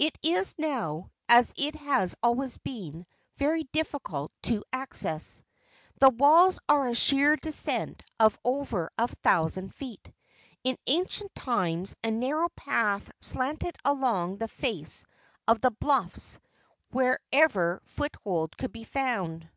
It is now, as it has always been, very difficult of access. The walls are a sheer descent of over a thousand feet. In ancient times a nar¬ row path slanted along the face of the bluffs wherever foothold could be found.